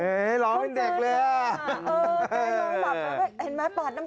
เฮ่ยร้องเป็นเด็กเลยอ่ะภรรยาเซอร์ไพรส์สามีแบบนี้ค่ะ